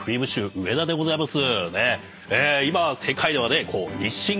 上田でございます。